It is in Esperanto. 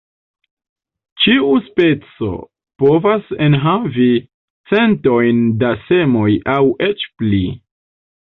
Ĉiu speco povas enhavi centojn da semoj aŭ eĉ pli.